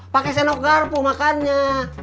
pake senok garpu makannya